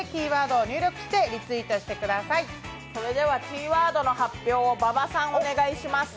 キーワードの発表を馬場さん、お願いします。